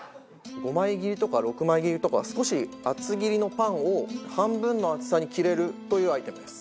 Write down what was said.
５枚切りとか６枚切りとか少し厚切りのパンを半分の厚さに切れるというアイテムです。